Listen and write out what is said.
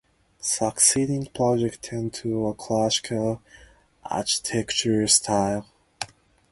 Succeeding projects tend to a classical architectural style.